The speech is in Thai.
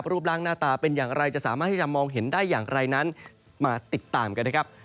รูปร่างหน้าตาเป็นอย่างไรจะสามารถที่จะมองเห็นได้อย่างไรนั้นมาติดตามกันนะครับ